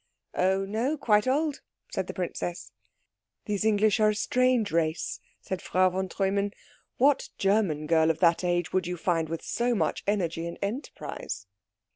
"Oh no, quite old," said the princess. "These English are a strange race," said Frau von Treumann. "What German girl of that age would you find with so much energy and enterprise?"